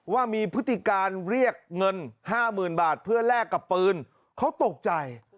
ว่ามีพฤติการเรียกเงินห้าหมื่นบาทเพื่อแลกกับปืนเขาตกใจ